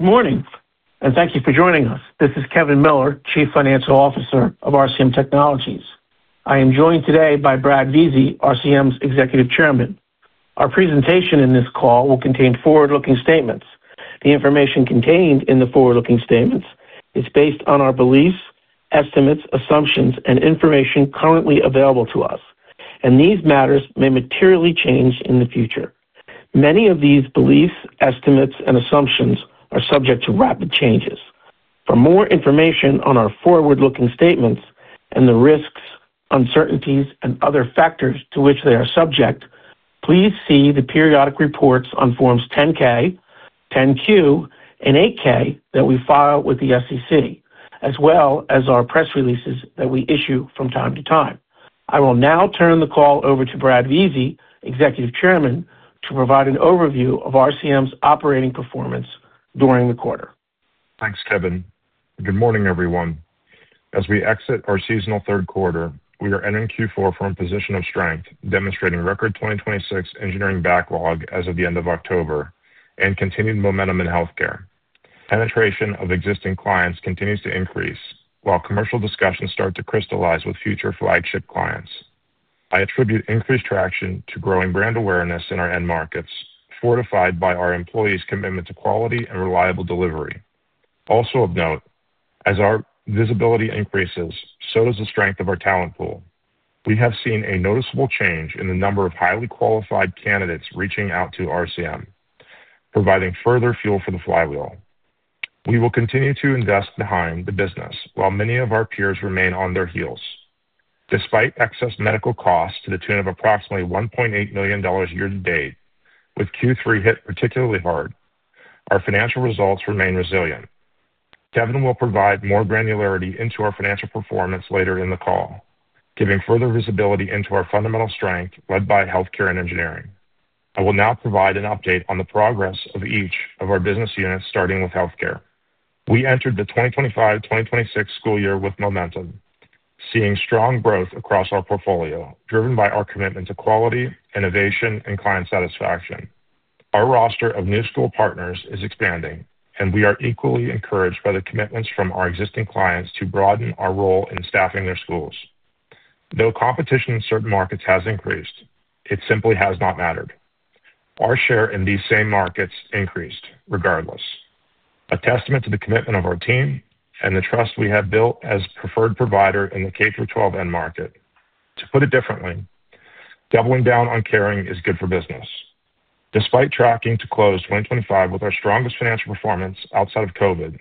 Good morning, and thank you for joining us. This is Kevin Miller, Chief Financial Officer of RCM Technologies. I am joined today by Brad Vizi, RCM's Executive Chairman. Our presentation in this call will contain forward-looking statements. The information contained in the forward-looking statements is based on our beliefs, estimates, assumptions, and information currently available to us, and these matters may materially change in the future. Many of these beliefs, estimates, and assumptions are subject to rapid changes. For more information on our forward-looking statements and the risks, uncertainties, and other factors to which they are subject, please see the periodic reports on Forms 10-K, 10-Q, and 8-K that we file with the SEC, as well as our press releases that we issue from time to time. I will now turn the call over to Brad Vizi, Executive Chairman, to provide an overview of RCM's operating performance during the quarter. Thanks, Kevin. Good morning, everyone. As we exit our seasonal third quarter, we are entering Q4 from a position of strength, demonstrating record 2026 engineering backlog as of the end of October and continued momentum in healthcare. Penetration of existing clients continues to increase, while commercial discussions start to crystallize with future flagship clients. I attribute increased traction to growing brand awareness in our end markets, fortified by our employees' commitment to quality and reliable delivery. Also of note, as our visibility increases, so does the strength of our talent pool. We have seen a noticeable change in the number of highly qualified candidates reaching out to RCM, providing further fuel for the flywheel. We will continue to invest behind the business, while many of our peers remain on their heels. Despite excess medical costs to the tune of approximately $1.8 million year-to-date, with Q3 hit particularly hard, our financial results remain resilient. Kevin will provide more granularity into our financial performance later in the call, giving further visibility into our fundamental strength led by healthcare and engineering. I will now provide an update on the progress of each of our business units, starting with healthcare. We entered the 2025-2026 school year with momentum, seeing strong growth across our portfolio, driven by our commitment to quality, innovation, and client satisfaction. Our roster of new school partners is expanding, and we are equally encouraged by the commitments from our existing clients to broaden our role in staffing their schools. Though competition in certain markets has increased, it simply has not mattered. Our share in these same markets increased, regardless. A testament to the commitment of our team and the trust we have built as preferred provider in the K-12 end market. To put it differently, doubling down on caring is good for business. Despite tracking to close 2025 with our strongest financial performance outside of COVID,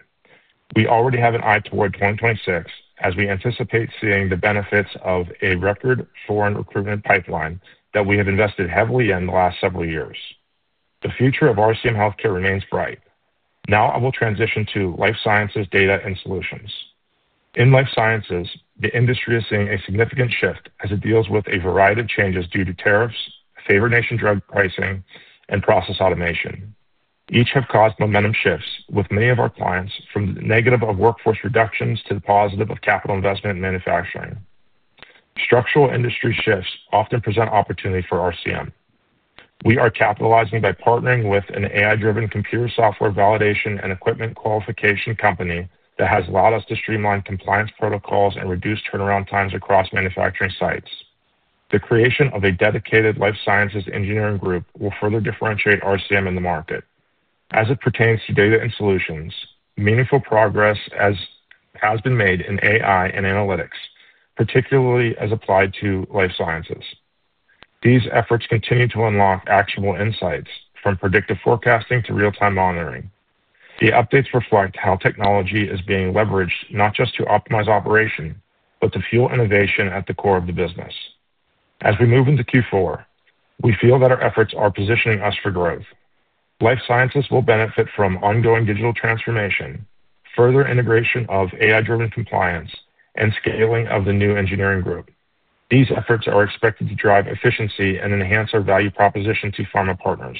we already have an eye toward 2026 as we anticipate seeing the benefits of a record foreign recruitment pipeline that we have invested heavily in the last several years. The future of RCM Healthcare remains bright. Now I will transition to life sciences, data, and solutions. In life sciences, the industry is seeing a significant shift as it deals with a variety of changes due to tariffs, favored nation drug pricing, and process automation. Each have caused momentum shifts with many of our clients, from the negative of workforce reductions to the positive of capital investment in manufacturing. Structural industry shifts often present opportunity for RCM. We are capitalizing by partnering with an AI-driven computer software validation and equipment qualification company that has allowed us to streamline compliance protocols and reduce turnaround times across manufacturing sites. The creation of a dedicated life sciences engineering group will further differentiate RCM in the market. As it pertains to Data and Solutions, meaningful progress has been made in AI and analytics, particularly as applied to life sciences. These efforts continue to unlock actionable insights, from predictive forecasting to real-time monitoring. The updates reflect how technology is being leveraged not just to optimize operation, but to fuel innovation at the core of the business. As we move into Q4, we feel that our efforts are positioning us for growth. Life sciences will benefit from ongoing digital transformation, further integration of AI-driven compliance, and scaling of the new engineering group. These efforts are expected to drive efficiency and enhance our value proposition to pharma partners.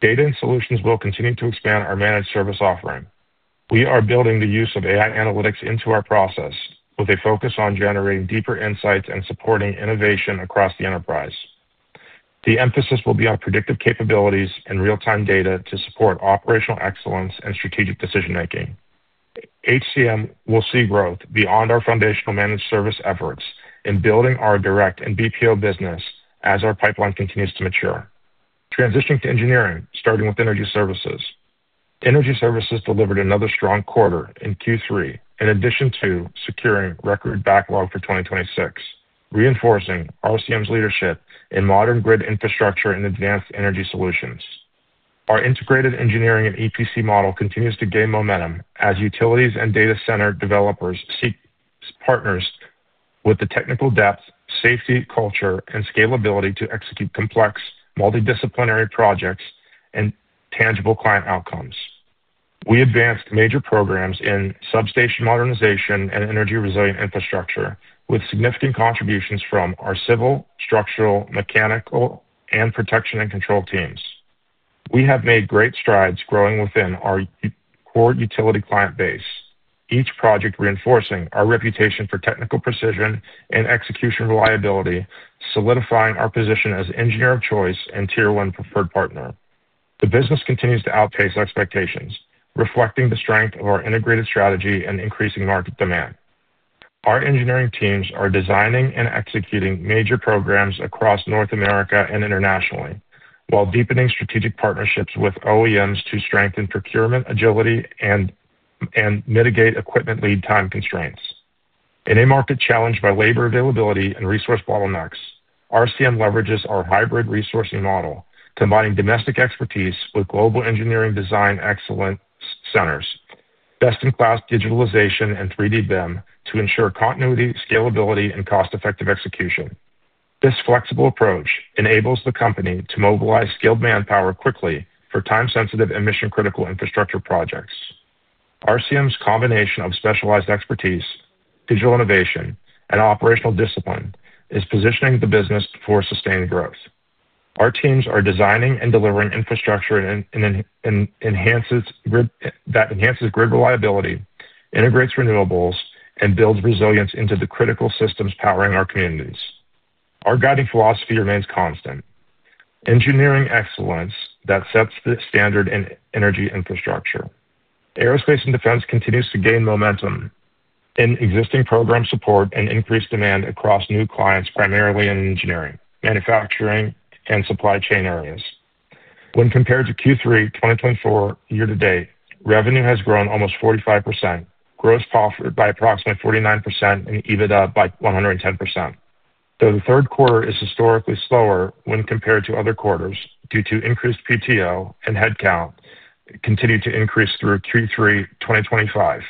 Data and Solutions will continue to expand our managed service offering. We are building the use of AI analytics into our process, with a focus on generating deeper insights and supporting innovation across the enterprise. The emphasis will be on predictive capabilities and real-time data to support operational excellence and strategic decision-making. HCM will see growth beyond our foundational managed service efforts in building our direct and BPO business as our pipeline continues to mature. Transitioning to engineering, starting with Energy Services. Energy Services delivered another strong quarter in Q3, in addition to securing record backlog for 2026, reinforcing RCM's leadership in modern grid infrastructure and advanced energy solutions. Our integrated engineering and EPC model continues to gain momentum as utilities and data center developers seek partners with the technical depth, safety culture, and scalability to execute complex, multidisciplinary projects and tangible client outcomes. We advanced major programs in substation modernization and energy-resilient infrastructure, with significant contributions from our civil, structural, mechanical, and protection and control teams. We have made great strides growing within our core utility client base, each project reinforcing our reputation for technical precision and execution reliability, solidifying our position as engineer of choice and tier-one preferred partner. The business continues to outpace expectations, reflecting the strength of our integrated strategy and increasing market demand. Our engineering teams are designing and executing major programs across North America and internationally, while deepening strategic partnerships with OEMs to strengthen procurement agility and mitigate equipment lead-time constraints. In a market challenged by labor availability and resource bottlenecks, RCM leverages our hybrid resourcing model, combining domestic expertise with global engineering design excellence centers, best-in-class digitalization, and 3D BIM to ensure continuity, scalability, and cost-effective execution. This flexible approach enables the company to mobilize skilled manpower quickly for time-sensitive and mission-critical infrastructure projects. RCM's combination of specialized expertise, digital innovation, and operational discipline is positioning the business for sustained growth. Our teams are designing and delivering infrastructure that enhances grid reliability, integrates renewables, and builds resilience into the critical systems powering our communities. Our guiding philosophy remains constant: engineering excellence that sets the standard in energy infrastructure. Aerospace and Defense continues to gain momentum in existing program support and increased demand across new clients, primarily in engineering, manufacturing, and supply chain areas. When compared to Q3 2024 year-to-date, revenue has grown almost 45%, gross profit by approximately 49%, and EBITDA by 110%. Though the third quarter is historically slower when compared to other quarters due to increased PTO and headcount continuing to increase through Q3 2025.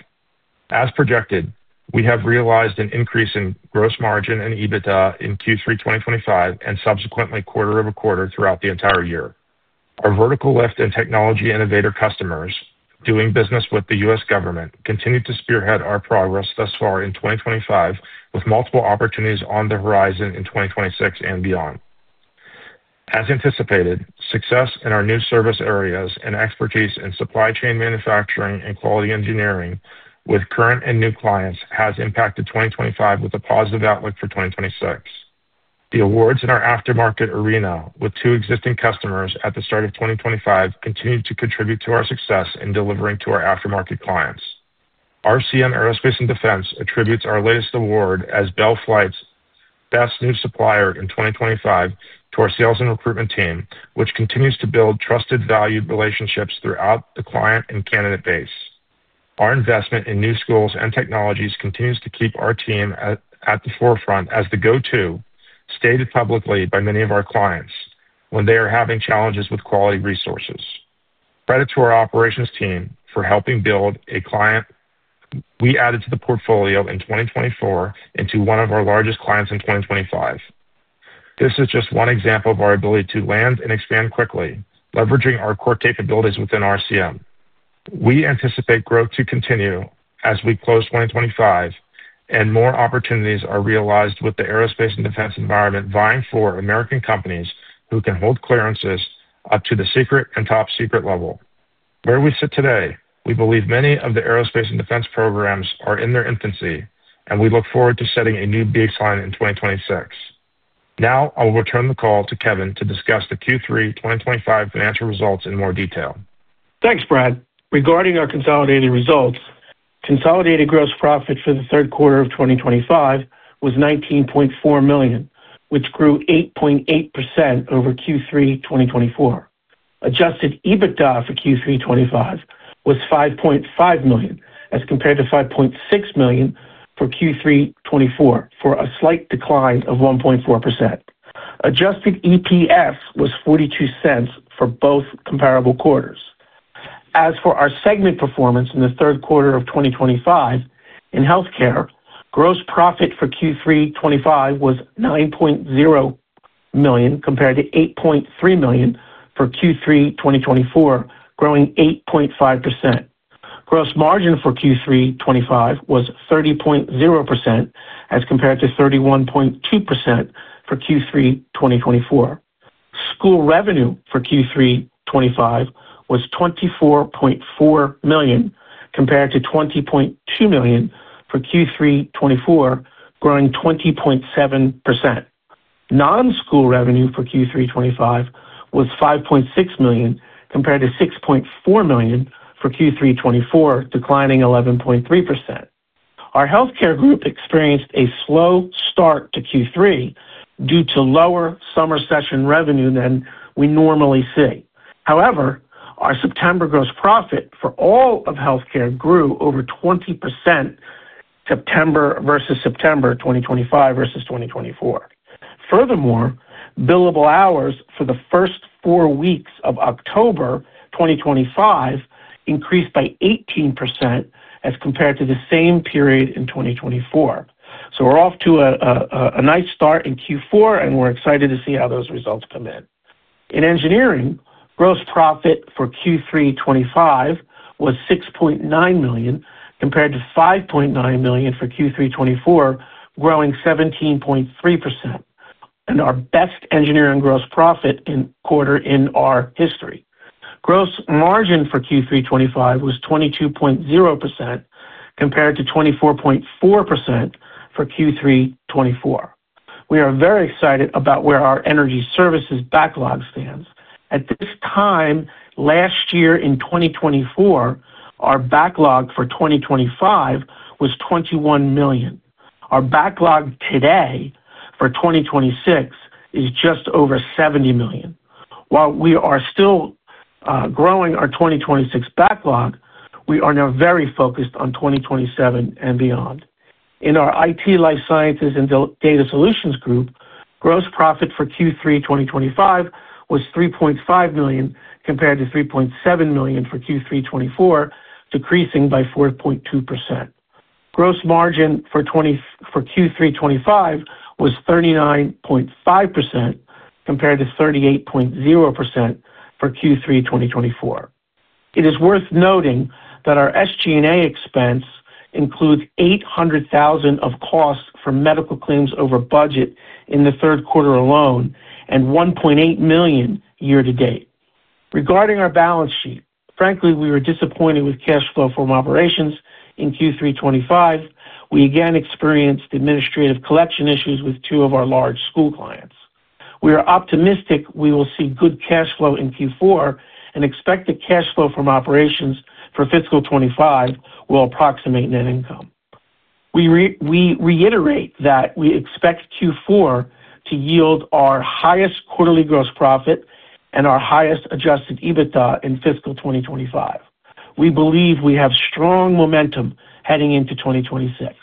As projected, we have realized an increase in gross margin and EBITDA in Q3 2025 and subsequently quarter-over-quarter throughout the entire year. Our vertical lift and technology innovator customers doing business with the U.S. government continue to spearhead our progress thus far in 2025, with multiple opportunities on the horizon in 2026 and beyond. As anticipated, success in our new service areas and expertise in supply chain manufacturing and quality engineering with current and new clients has impacted 2025 with a positive outlook for 2026. The awards in our aftermarket arena, with two existing customers at the start of 2025, continue to contribute to our success in delivering to our aftermarket clients. RCM Aerospace and Defense attributes our latest award as Bell Flight's best new supplier in 2025 to our sales and recruitment team, which continues to build trusted value relationships throughout the client and candidate base. Our investment in new schools and technologies continues to keep our team at the forefront as the go-to stated publicly by many of our clients when they are having challenges with quality resources. Credit to our operations team for helping build a client we added to the portfolio in 2024 into one of our largest clients in 2025. This is just one example of our ability to land and expand quickly, leveraging our core capabilities within RCM. We anticipate growth to continue as we close 2025 and more opportunities are realized with the aerospace and defense environment vying for American companies who can hold clearances up to the secret and top secret level. Where we sit today, we believe many of the aerospace and defense programs are in their infancy, and we look forward to setting a new baseline in 2026. Now I will return the call to Kevin to discuss the Q3 2025 financial results in more detail. Thanks, Brad. Regarding our consolidated results, consolidated gross profit for the third quarter of 2025 was $19.4 million, which grew 8.8% over Q3 2024. Adjusted EBITDA for Q3 2025 was $5.5 million as compared to $5.6 million for Q3 2024, for a slight decline of 1.4%. Adjusted EPS was $0.42 for both comparable quarters. As for our segment performance in the third quarter of 2025, in healthcare, gross profit for Q3 2025 was $9.0 million compared to $8.3 million for Q3 2024, growing 8.5%. Gross margin for Q3 2025 was 30.0% as compared to 31.2% for Q3 2024. School revenue for Q3 2025 was $24.4 million compared to $20.2 million for Q3 2024, growing 20.7%. Non-school revenue for Q3 2025 was $5.6 million compared to $6.4 million for Q3 2024, declining 11.3%. Our healthcare group experienced a slow start to Q3 due to lower summer session revenue than we normally see. However, our September gross profit for all of healthcare grew over 20%. September versus September 2025 versus 2024. Furthermore, billable hours for the first four weeks of October 2025 increased by 18% as compared to the same period in 2024. We are off to a nice start in Q4, and we are excited to see how those results come in. In engineering, gross profit for Q3 2025 was $6.9 million compared to $5.9 million for Q3 2024, growing 17.3%. And our best engineering gross profit quarter in our history. Gross margin for Q3 2025 was 22.0% compared to 24.4% for Q3 2024. We are very excited about where our energy services backlog stands. At this time last year in 2024, our backlog for 2025 was $21 million. Our backlog today for 2026 is just over $70 million. While we are still growing our 2026 backlog, we are now very focused on 2027 and beyond. In our IT, life sciences, and data solutions group, gross profit for Q3 2025 was $3.5 million compared to $3.7 million for Q3 2024, decreasing by 4.2%. Gross margin for Q3 2025 was 39.5% compared to 38.0% for Q3 2024. It is worth noting that our SG&A expense includes $800,000 of costs for medical claims over budget in the third quarter alone and $1.8 million year-to-date. Regarding our balance sheet, frankly, we were disappointed with cash flow from operations in Q3 2025. We again experienced administrative collection issues with two of our large school clients. We are optimistic we will see good cash flow in Q4 and expect the cash flow from operations for fiscal 2025 will approximate net income. We. Reiterate that we expect Q4 to yield our highest quarterly gross profit and our highest Adjusted EBITDA in fiscal 2025. We believe we have strong momentum heading into 2026.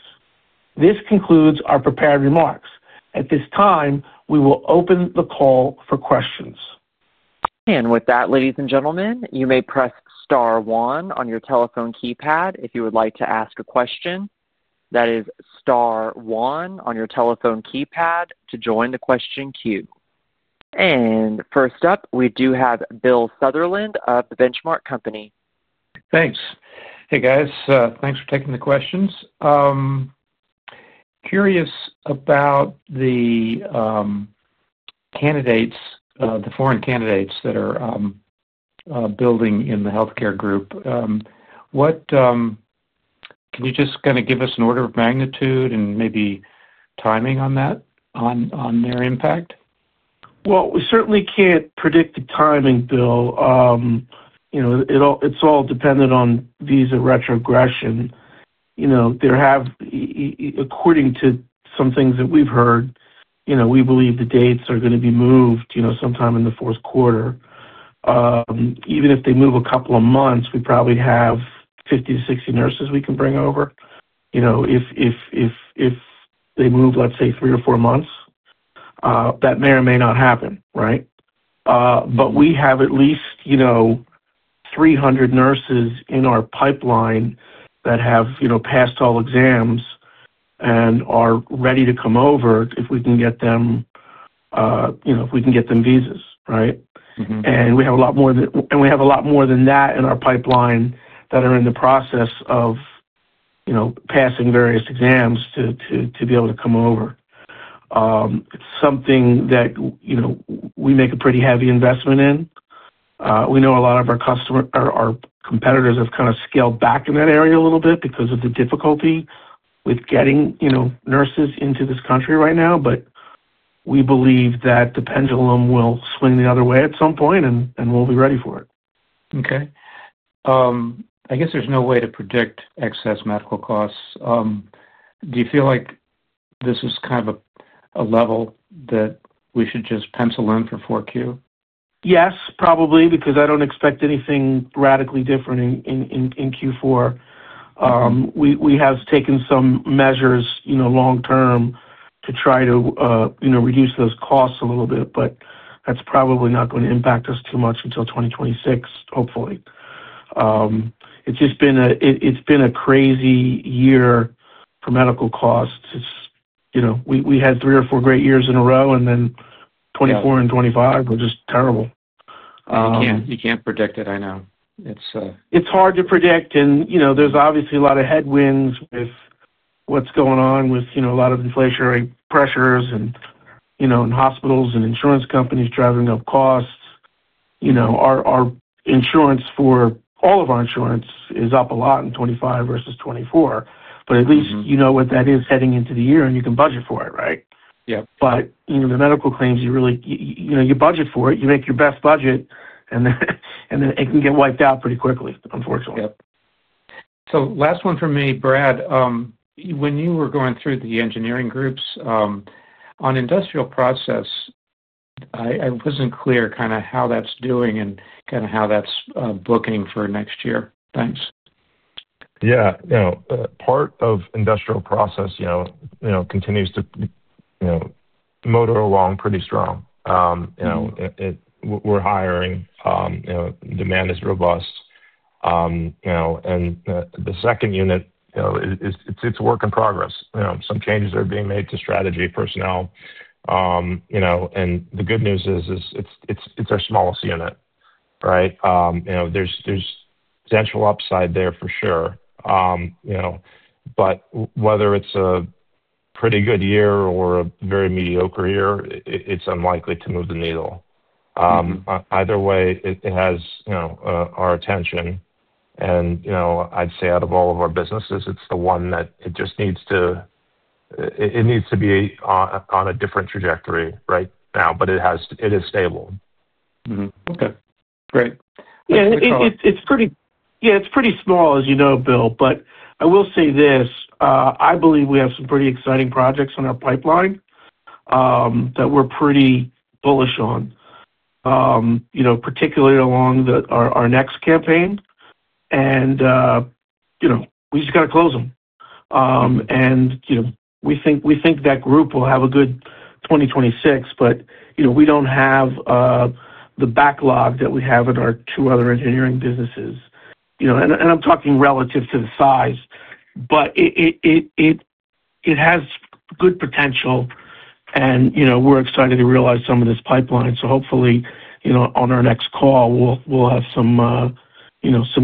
This concludes our prepared remarks. At this time, we will open the call for questions. With that, ladies and gentlemen, you may press star one on your telephone keypad if you would like to ask a question. That is star one on your telephone keypad to join the question queue. First up, we do have Bill Sutherland of The Benchmark Company. Thanks. Hey, guys. Thanks for taking the questions. Curious about the candidates, the foreign candidates that are building in the healthcare group. Can you just kind of give us an order of magnitude and maybe timing on their impact? We certainly can't predict the timing, Bill. It's all dependent on visa retrogression. According to some things that we've heard, we believe the dates are going to be moved sometime in the fourth quarter. Even if they move a couple of months, we probably have 50-60 nurses we can bring over. If they move, let's say, three or four months, that may or may not happen, right? We have at least 300 nurses in our pipeline that have passed all exams and are ready to come over if we can get them. If we can get them visas, right? We have a lot more than that in our pipeline that are in the process of passing various exams to be able to come over. It's something that we make a pretty heavy investment in. We know a lot of our competitors have kind of scaled back in that area a little bit because of the difficulty with getting nurses into this country right now, but we believe that the pendulum will swing the other way at some point, and we'll be ready for it. Okay. I guess there's no way to predict excess medical costs. Do you feel like this is kind of a level that we should just pencil in for Q4? Yes, probably, because I do not expect anything radically different. In Q4. We have taken some measures long-term to try to reduce those costs a little bit, but that is probably not going to impact us too much until 2026, hopefully. It has just been a crazy year for medical costs. We had three or four great years in a row, and then 2024 and 2025 were just terrible. You can't predict it, I know. It's hard to predict, and there's obviously a lot of headwinds with what's going on with a lot of inflationary pressures. Hospitals and insurance companies driving up costs. Our insurance for all of our insurance is up a lot in 2025 versus 2024, but at least you know what that is heading into the year, and you can budget for it, right? Yep. The medical claims, you budget for it, you make your best budget, and it can get wiped out pretty quickly, unfortunately. Yep. Last one for me, Brad. When you were going through the engineering groups, on industrial process, I wasn't clear kind of how that's doing and kind of how that's booking for next year. Thanks. Yeah. Part of industrial process continues to motor along pretty strong. We're hiring. Demand is robust. The second unit is a work in progress. Some changes are being made to strategy, personnel. The good news is it's our smallest unit, right? There's potential upside there for sure. Whether it's a pretty good year or a very mediocre year, it's unlikely to move the needle. Either way, it has our attention. I'd say out of all of our businesses, it's the one that just needs to be on a different trajectory right now, but it is stable. Okay. Great. Yeah. It's pretty small, as you know, Bill, but I will say this: I believe we have some pretty exciting projects on our pipeline that we're pretty bullish on, particularly along our next campaign. We just got to close them, and we think that group will have a good 2026. We don't have the backlog that we have in our two other engineering businesses, and I'm talking relative to the size, but it has good potential. We're excited to realize some of this pipeline. Hopefully, on our next call, we'll have some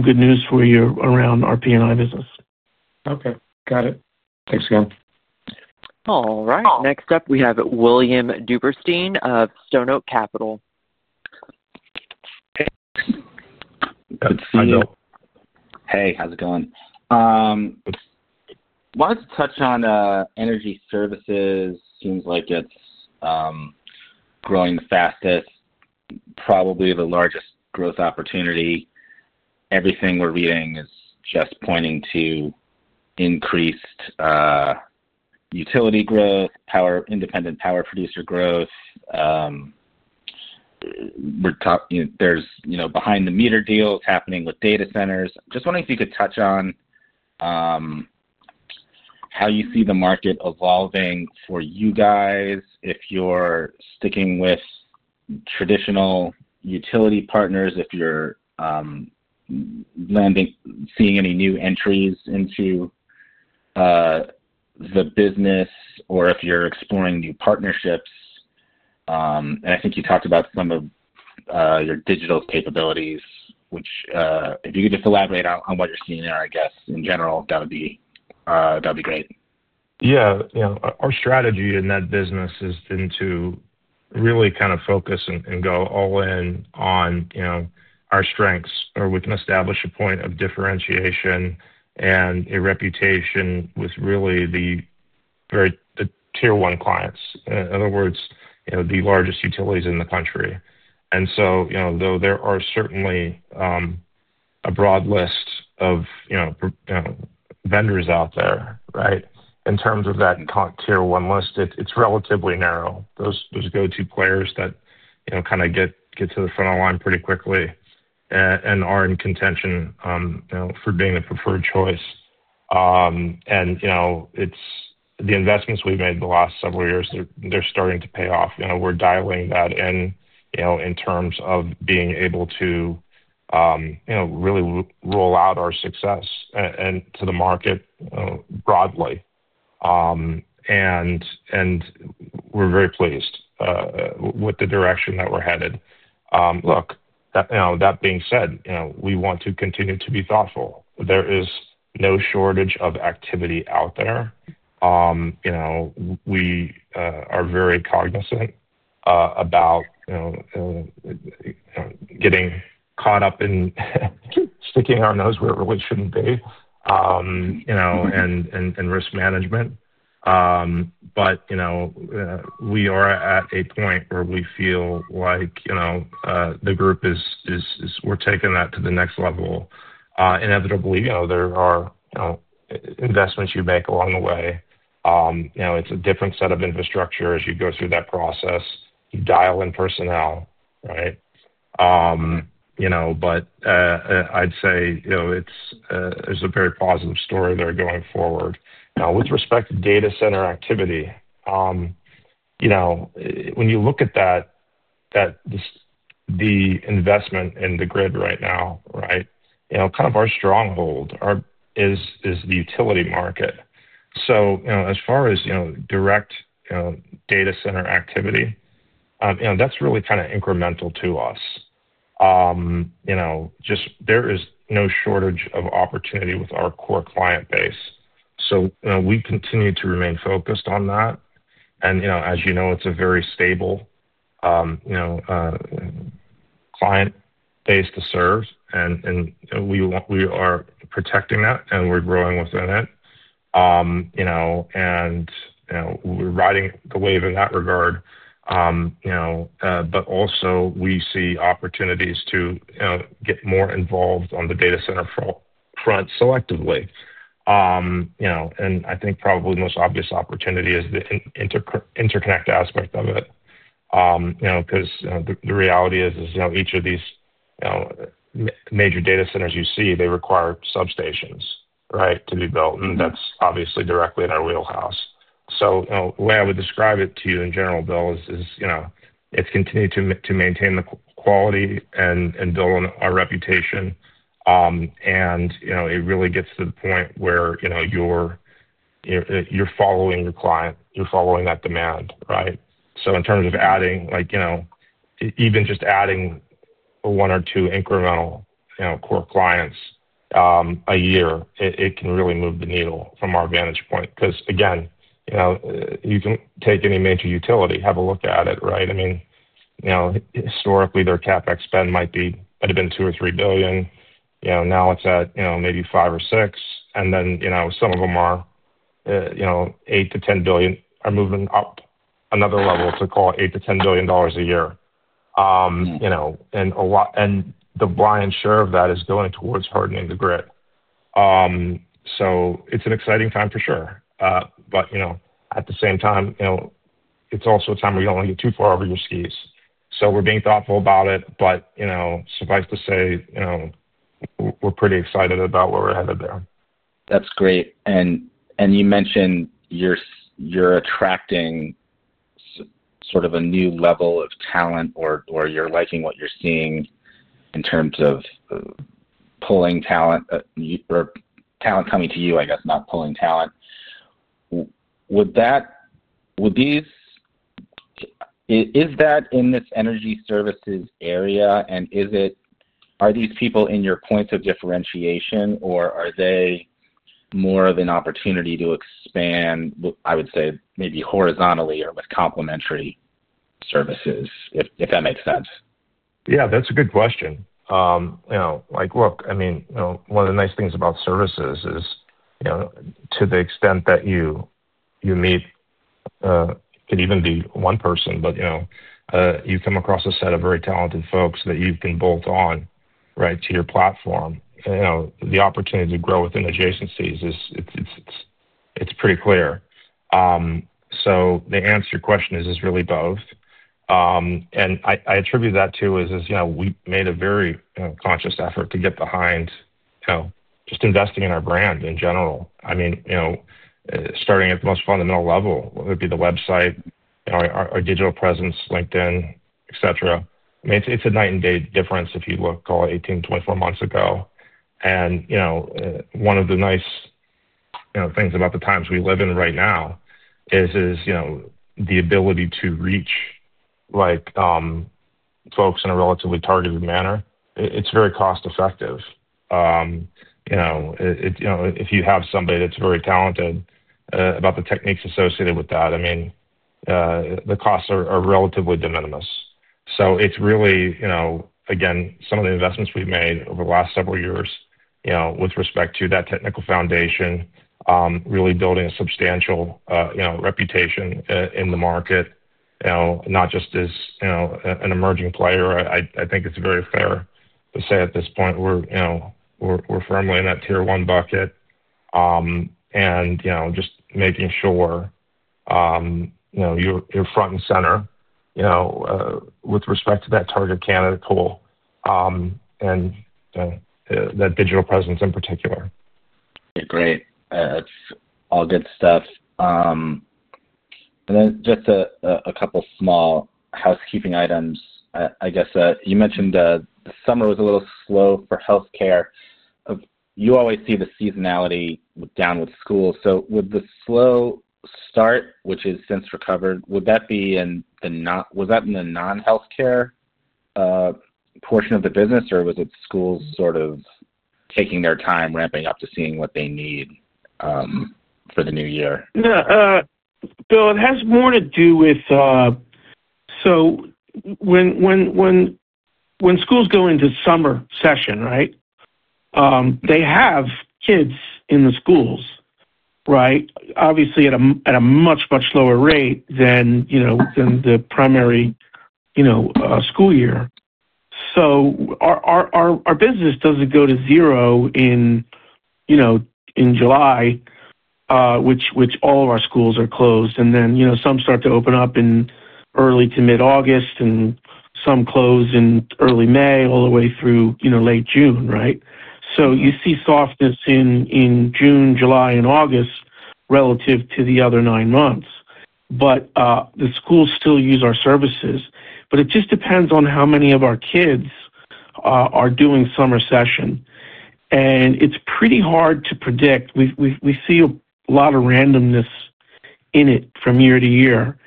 good news for you around our P&I business. Okay. Got it. Thanks again. All right. Next up, we have William Duberstein of Stone Oak Capital. Hey. How's it going? Hey. How's it going? Wanted to touch on energy services. Seems like it's growing the fastest. Probably the largest growth opportunity. Everything we're reading is just pointing to increased utility growth, independent power producer growth. There's behind-the-meter deals happening with data centers. Just wondering if you could touch on how you see the market evolving for you guys, if you're sticking with traditional utility partners, if you're seeing any new entries into the business, or if you're exploring new partnerships. I think you talked about some of your digital capabilities, which if you could just elaborate on what you're seeing there, I guess, in general, that would be great. Yeah. Our strategy in that business is to really kind of focus and go all in on our strengths where we can establish a point of differentiation and a reputation with really the tier one clients. In other words, the largest utilities in the country. Though there are certainly a broad list of vendors out there, right, in terms of that tier one list, it's relatively narrow. Those go-to players that kind of get to the front of the line pretty quickly and are in contention for being a preferred choice. The investments we've made the last several years, they're starting to pay off. We're dialing that in in terms of being able to really roll out our success to the market broadly. We're very pleased with the direction that we're headed. Look, that being said, we want to continue to be thoughtful. There is no shortage of activity out there. We are very cognizant about getting caught up in sticking our nose where it really should not be and risk management. We are at a point where we feel like the group is, we are taking that to the next level. Inevitably, there are investments you make along the way. It is a different set of infrastructure as you go through that process. You dial in personnel, right? I would say there is a very positive story there going forward. Now, with respect to data center activity, when you look at that, the investment in the grid right now, right, kind of our stronghold, is the utility market. As far as direct data center activity, that is really kind of incremental to us. There is no shortage of opportunity with our core client base. We continue to remain focused on that. As you know, it's a very stable client base to serve, and we are protecting that, and we're growing within it. We are riding the wave in that regard. We see opportunities to get more involved on the data center front selectively. I think probably the most obvious opportunity is the interconnect aspect of it. The reality is each of these major data centers you see, they require substations to be built, and that's obviously directly in our wheelhouse. The way I would describe it to you in general, Bill, is it's continuing to maintain the quality and build on our reputation. It really gets to the point where you're following your client, you're following that demand, right? In terms of adding, even just adding one or two incremental core clients. A year, it can really move the needle from our vantage point. Because again, you can take any major utility, have a look at it, right? I mean, historically, their CapEx spend might have been $2 billion or $3 billion. Now it's at maybe $5 billion or $6 billion. And then some of them are $8 billion-$10 billion, are moving up another level to call it $8 billion-$10 billion a year. And the buy-in share of that is going towards hardening the grid. It is an exciting time for sure. At the same time, it is also a time where you do not want to get too far over your skis. We are being thoughtful about it, but suffice to say, we are pretty excited about where we are headed there. That's great. You mentioned you're attracting sort of a new level of talent, or you're liking what you're seeing in terms of pulling talent, or talent coming to you, I guess, not pulling talent. Would these—is that in this energy services area, and are these people in your points of differentiation, or are they more of an opportunity to expand, I would say, maybe horizontally or with complementary services, if that makes sense? Yeah, that's a good question. Look, I mean, one of the nice things about services is, to the extent that you meet—it could even be one person, but you come across a set of very talented folks that you can bolt on, right, to your platform. The opportunity to grow within adjacencies, it's pretty clear. The answer to your question is really both. I attribute that to we made a very conscious effort to get behind just investing in our brand in general. I mean, starting at the most fundamental level, it would be the website, our digital presence, LinkedIn, etc. I mean, it's a night and day difference if you look 18, 24 months ago. One of the nice things about the times we live in right now is the ability to reach folks in a relatively targeted manner. It's very cost-effective. If you have somebody that's very talented about the techniques associated with that, I mean, the costs are relatively de minimis. So it's really, again, some of the investments we've made over the last several years with respect to that technical foundation, really building a substantial reputation in the market. Not just as an emerging player. I think it's very fair to say at this point we're firmly in that tier one bucket. Just making sure you're front and center with respect to that target candidate pool and that digital presence in particular. Okay. Great. That's all good stuff. Then just a couple of small housekeeping items. I guess you mentioned the summer was a little slow for healthcare. You always see the seasonality down with school. Would the slow start, which has since recovered, be in the—was that in the non-healthcare portion of the business, or was it schools sort of taking their time, ramping up to seeing what they need for the new year? Yeah. Bill, it has more to do with. When schools go into summer session, right. They have kids in the schools, right? Obviously, at a much, much lower rate than the primary school year. Our business doesn't go to zero in July, which all of our schools are closed. Some start to open up in early to mid-August, and some close in early May all the way through late June, right? You see softness in June, July, and August relative to the other nine months. The schools still use our services. It just depends on how many of our kids are doing summer session. It's pretty hard to predict. We see a lot of randomness in it from year to year.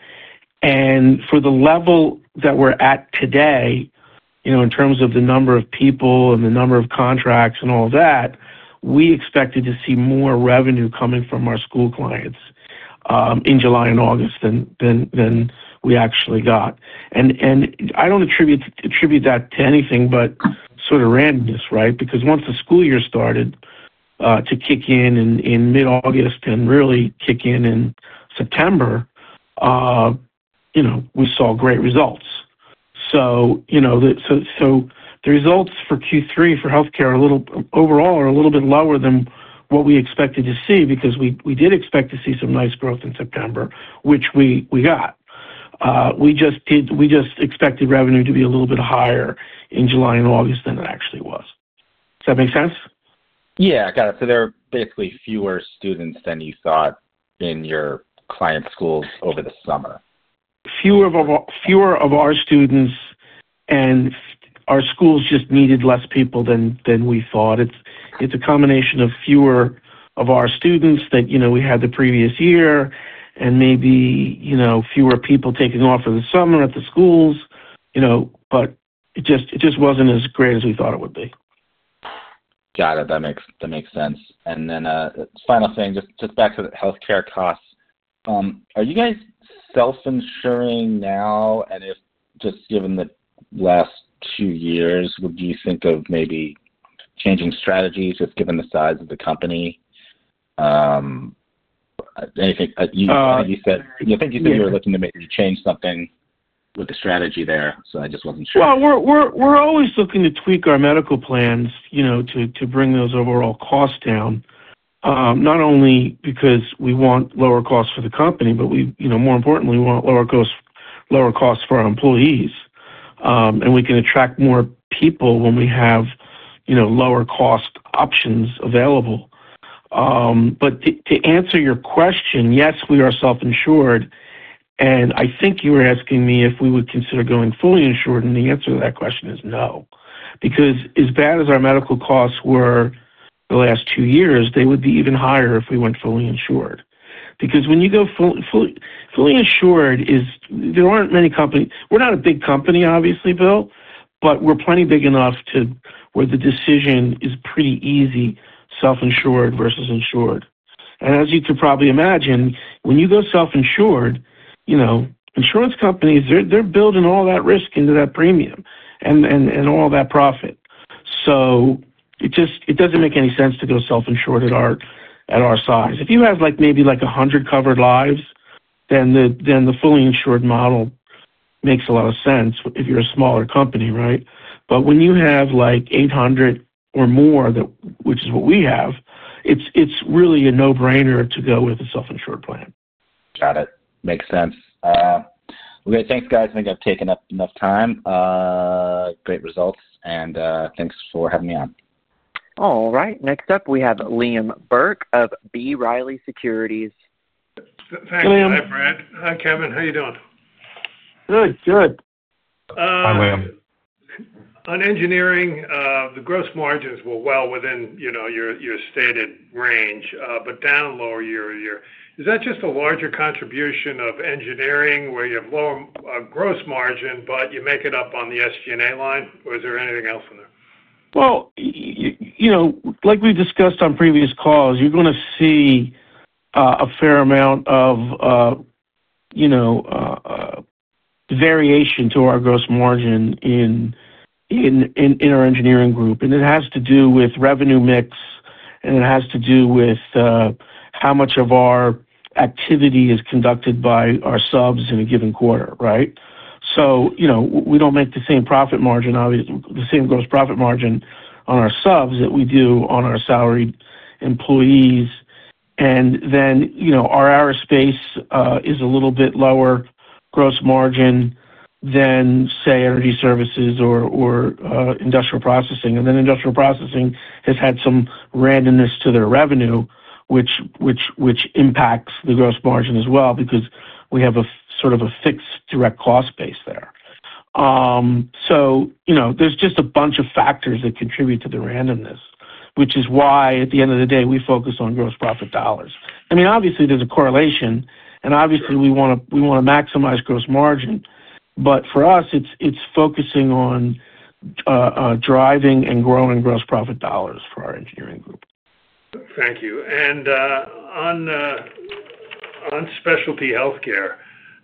For the level that we're at today, in terms of the number of people and the number of contracts and all that, we expected to see more revenue coming from our school clients in July and August than we actually got. I don't attribute that to anything but sort of randomness, right? Once the school year started to kick in in mid-August and really kick in in September, we saw great results. The results for Q3 for healthcare overall are a little bit lower than what we expected to see because we did expect to see some nice growth in September, which we got. We just expected revenue to be a little bit higher in July and August than it actually was. Does that make sense? Yeah. Got it. So there are basically fewer students than you thought in your client schools over the summer. Fewer of our students, and our schools just needed less people than we thought. It's a combination of fewer of our students that we had the previous year and maybe fewer people taking off for the summer at the schools. It just wasn't as great as we thought it would be. Got it. That makes sense. Final thing, just back to the healthcare costs. Are you guys self-insuring now? Just given the last two years, would you think of maybe changing strategies just given the size of the company? I think you said you were looking to maybe change something with the strategy there. I just wasn't sure. We're always looking to tweak our medical plans to bring those overall costs down. Not only because we want lower costs for the company, but more importantly, we want lower costs for our employees. We can attract more people when we have lower cost options available. To answer your question, yes, we are self-insured. I think you were asking me if we would consider going fully insured, and the answer to that question is no. As bad as our medical costs were the last two years, they would be even higher if we went fully insured. When you go fully insured, there aren't many companies—we're not a big company, obviously, Bill, but we're plenty big enough where the decision is pretty easy, self-insured versus insured. As you can probably imagine, when you go self-insured. Insurance companies, they're building all that risk into that premium and all that profit. It doesn't make any sense to go self-insured at our size. If you have maybe 100 covered lives, then the fully insured model makes a lot of sense if you're a smaller company, right? When you have 800 or more, which is what we have, it's really a no-brainer to go with a self-insured plan. Got it. Makes sense. Okay. Thanks, guys. I think I've taken up enough time. Great results. Thanks for having me on. All right. Next up, we have Liam Burke of B. Riley Securities. Thank you, Brad. Hi, Kevin. How are you doing? Good. Good. Hi, Liam. On engineering, the gross margins were well within your stated range, but down lower year. Is that just a larger contribution of engineering where you have lower gross margin, but you make it up on the SG&A line, or is there anything else in there? Like we discussed on previous calls, you're going to see a fair amount of variation to our gross margin in our engineering group. It has to do with revenue mix, and it has to do with how much of our activity is conducted by our subs in a given quarter, right? We don't make the same profit margin, the same gross profit margin on our subs that we do on our salaried employees. Our aerospace is a little bit lower gross margin than, say, energy services or industrial processing. Industrial processing has had some randomness to their revenue, which impacts the gross margin as well because we have sort of a fixed direct cost base there. There are just a bunch of factors that contribute to the randomness, which is why at the end of the day, we focus on gross profit dollars. I mean, obviously, there's a correlation, and obviously, we want to maximize gross margin. For us, it's focusing on driving and growing gross profit dollars for our engineering group. Thank you. On specialty healthcare,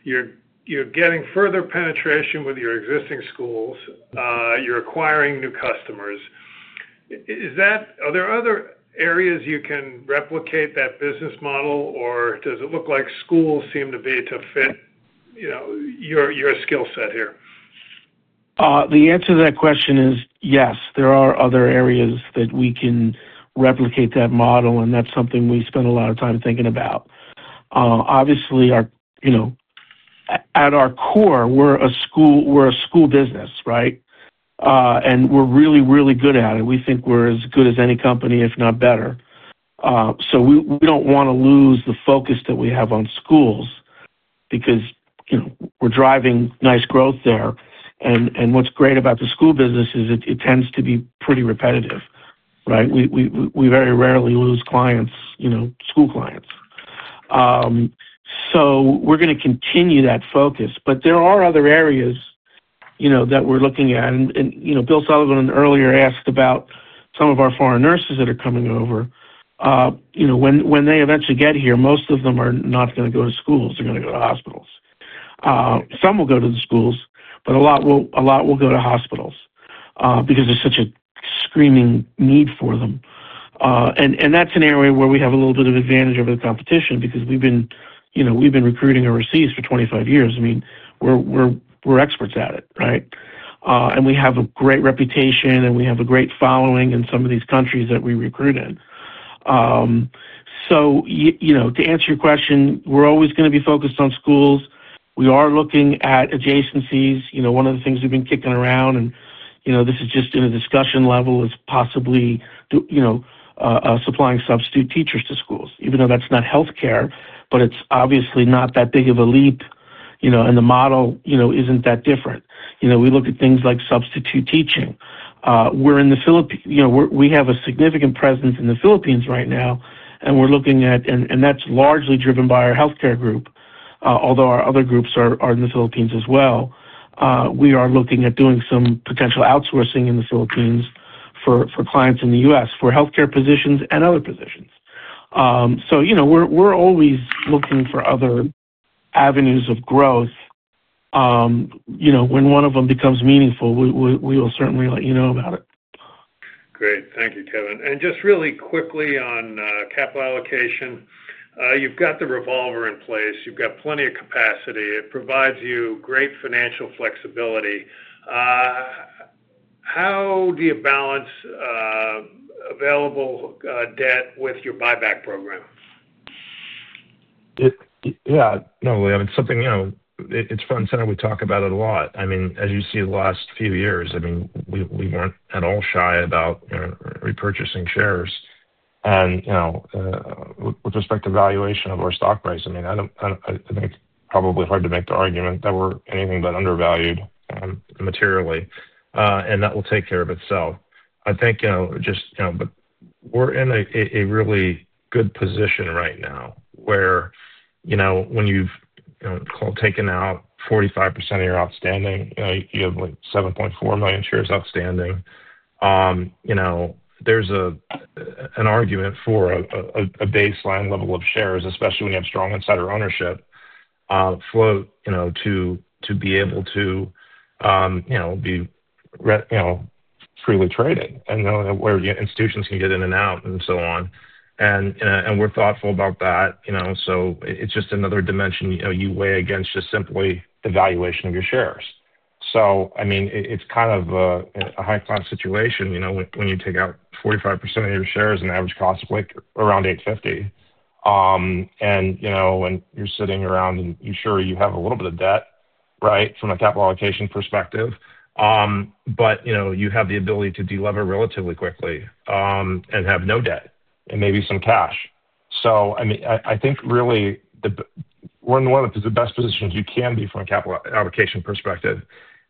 you're getting further penetration with your existing schools. You're acquiring new customers. Are there other areas you can replicate that business model, or does it look like schools seem to fit your skill set here? The answer to that question is yes. There are other areas that we can replicate that model, and that's something we spend a lot of time thinking about. Obviously. At our core, we're a school business, right? And we're really, really good at it. We think we're as good as any company, if not better. We do not want to lose the focus that we have on schools because we're driving nice growth there. What's great about the school business is it tends to be pretty repetitive, right? We very rarely lose clients, school clients. We are going to continue that focus. There are other areas that we're looking at. Bill Sutherland earlier asked about some of our foreign nurses that are coming over. When they eventually get here, most of them are not going to go to schools. They are going to go to hospitals. Some will go to the schools, but a lot will go to hospitals because there's such a screaming need for them. That's an area where we have a little bit of advantage over the competition because we've been recruiting overseas for 25 years. I mean, we're experts at it, right? We have a great reputation, and we have a great following in some of these countries that we recruit in. To answer your question, we're always going to be focused on schools. We are looking at adjacencies. One of the things we've been kicking around, and this is just at a discussion level, is possibly supplying substitute teachers to schools, even though that's not healthcare, but it's obviously not that big of a leap, and the model isn't that different. We look at things like substitute teaching. We're in the Philippines. We have a significant presence in the Philippines right now, and we're looking at—and that's largely driven by our healthcare group, although our other groups are in the Philippines as well. We are looking at doing some potential outsourcing in the Philippines for clients in the U.S. for healthcare positions and other positions. We are always looking for other avenues of growth. When one of them becomes meaningful, we will certainly let you know about it. Great. Thank you, Kevin. And just really quickly on capital allocation, you've got the revolver in place. You've got plenty of capacity. It provides you great financial flexibility. How do you balance available debt with your buyback program? Yeah. No, Liam. It's front and center. We talk about it a lot. I mean, as you see the last few years, I mean, we weren't at all shy about repurchasing shares. With respect to valuation of our stock price, I mean, I think it's probably hard to make the argument that we're anything but undervalued materially. That will take care of itself. I think just—we're in a really good position right now where, when you've taken out 45% of your outstanding, you have like 7.4 million shares outstanding. There's an argument for a baseline level of shares, especially when you have strong insider ownership, float to be able to be freely traded and where institutions can get in and out and so on. We're thoughtful about that. It's just another dimension you weigh against just simply the valuation of your shares. I mean, it's kind of a high-class situation when you take out 45% of your shares at an average cost like around $8.50. You're sitting around, and you're sure you have a little bit of debt, right, from a capital allocation perspective. You have the ability to deleverage relatively quickly and have no debt and maybe some cash. I mean, I think really one of the best positions you can be from a capital allocation perspective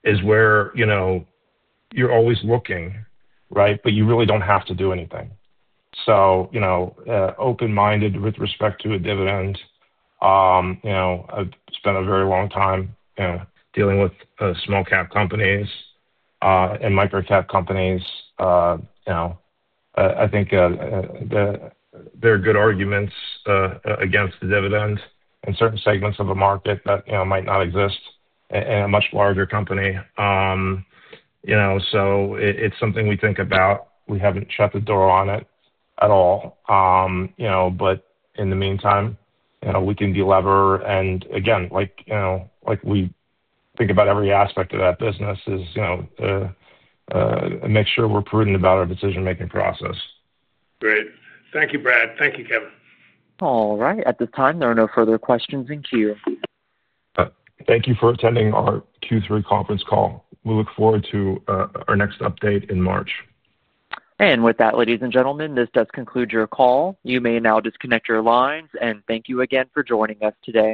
is where you're always looking, right, but you really don't have to do anything. Open-minded with respect to a dividend. I've spent a very long time dealing with small-cap companies and microcap companies. I think there are good arguments against the dividend in certain segments of a market that might not exist in a much larger company. It's something we think about. We haven't shut the door on it at all. In the meantime, we can deliver. Again, like, we think about every aspect of that business to make sure we're prudent about our decision-making process. Great. Thank you, Brad. Thank you, Kevin. All right. At this time, there are no further questions in queue. Thank you for attending our Q3 conference call. We look forward to our next update in March. With that, ladies and gentlemen, this does conclude your call. You may now disconnect your lines. Thank you again for joining us today.